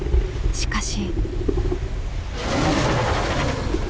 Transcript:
しかし。